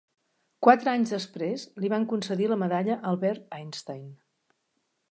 Quatre anys després, li van concedir la medalla Albert Einstein.